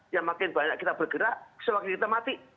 yang makin banyak kita bergerak sewaktu itu kita mati